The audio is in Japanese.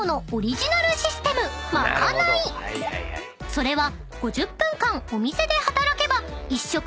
［それは］